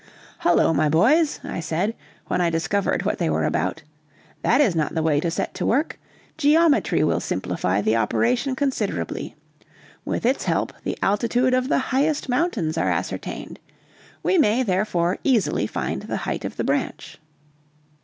"Hullo, my boys," I said, when I discovered what they were about, "that is not the way to set to work. Geometry will simplify the operation considerably; with its help the altitude of the highest mountains are ascertained. We may, therefore, easily find the height of the branch."